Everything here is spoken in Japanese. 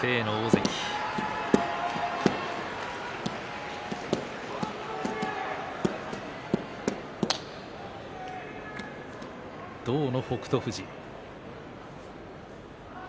静の大関、動の北勝富士。